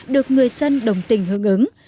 được người dân đồng tình hướng ứng